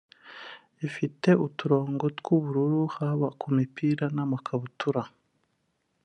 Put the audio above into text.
ifite uturongo tw’ubururu haba ku mipira n’amakabutura